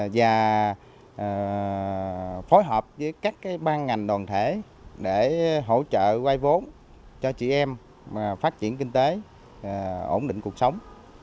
và phối hợp với các ban ngành đoàn thể để hỗ trợ quay vốn cho chị em phát triển kinh tế ổn định cuộc sống